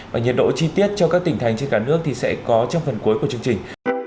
và nhiệt độ chi tiết cho các tỉnh thành trên cả nước thì sẽ có trong phần cuối của chương trình